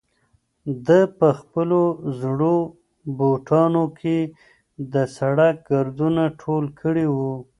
ده په خپلو زړو بوټانو کې د سړک ګردونه ټول کړي وو.